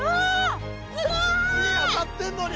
火当たってんのに！